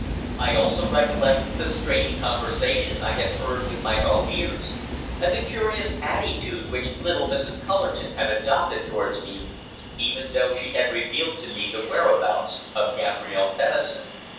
I also recollected the strange conversation I had heard with my own ears, and the curious attitude which little Mrs. Cullerton had adopted towards me, even though she had revealed to me the whereabouts of Gabrielle Tennison.